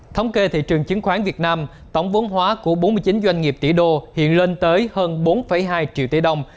thống kê thị trường chứng khoán việt nam tổng vốn hóa của bốn mươi chín doanh nghiệp tỷ đô hiện lên tới hơn bốn hai triệu tỷ đồng